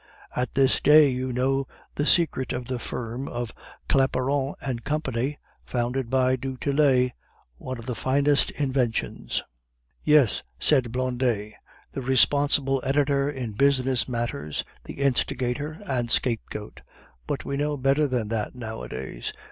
At this day you know the secret of the firm of Claparon and Company, founded by du Tillet, one of the finest inventions " "Yes," said Blondet, "the responsible editor in business matters, the instigator, and scapegoat; but we know better than that nowadays.